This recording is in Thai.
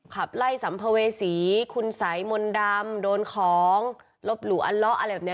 ขับไล่สัมภเวษีคุณสัยมนต์ดำโดนของลบหลู่อันเลาะอะไรแบบนี้